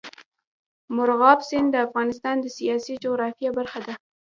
مورغاب سیند د افغانستان د سیاسي جغرافیه برخه ده.